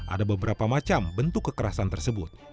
ada beberapa macam bentuk kekerasan tersebut